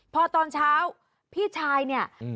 พอตอนเช้าพี่ชายเนี่ย